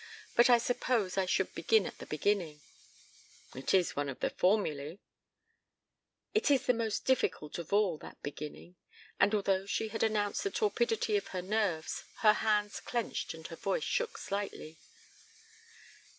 But I suppose I should begin at the beginning." "It is one of the formulae." "It is the most difficult of all that beginning." And although she had announced the torpidity of her nerves, her hands clenched and her voice shook slightly.